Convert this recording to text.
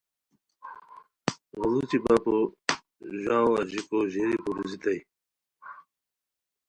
غیڑوچی بپو ژاؤ اژیکو ژیری پوروزیتائے